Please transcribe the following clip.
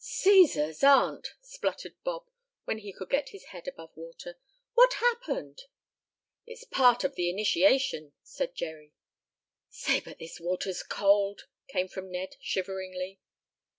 "Cæsar's aunt!" spluttered Bob, when he could get his head above water. "What happened?" "It's part of the initiation," said Jerry. "Say, but this water's cold!" came from Ned shiveringly.